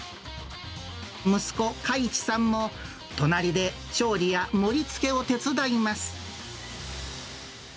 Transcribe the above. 息子、加一さんも隣で調理や盛りつけを手伝います。